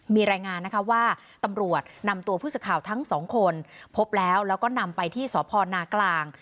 มีรายงานนะคะว่าตำรวจนำตัวผู้สื่อข่าวทั้งสองคนพบแล้วแล้วก็นำไปที่สพนากลาง